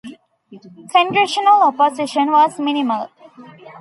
Congressional opposition was minimal.